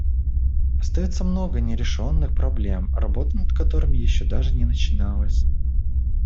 Остается много нерешенных проблем, работа над которыми еще даже не начиналась.